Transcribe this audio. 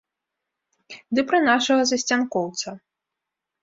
Ды пра нашага засцянкоўца.